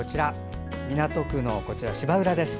港区の芝浦です。